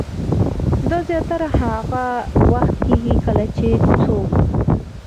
دا زياتره هاغه وخت کيږي کله چې څوک